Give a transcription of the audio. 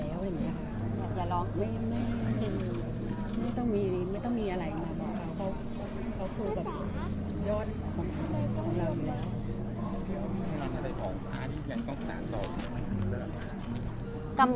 แล้วถ้าได้ออกภาพยังต้องสารต่อมันจะเริ่มหรือเปล่า